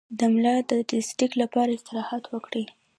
د ملا د ډیسک لپاره استراحت وکړئ